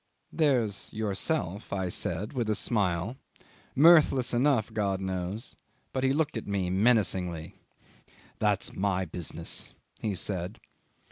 '"There's yourself," I said with a smile mirthless enough, God knows but he looked at me menacingly. "That's my business," he said.